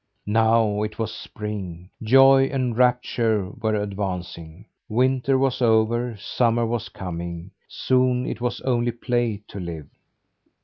Now it was spring; joy and rapture were advancing. Winter was over; summer was coming. Soon it was only play to live.